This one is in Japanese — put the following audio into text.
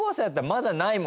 まだ。